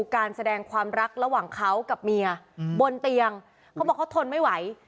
การแสดงความรักระหว่างเขากับเมียบนเตียงเขาบอกเขาทนไม่ไหว